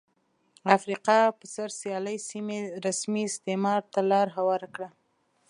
افریقا پر سر سیالۍ سیمې رسمي استعمار ته لار هواره کړه.